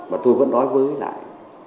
mà tôi vẫn nói với lại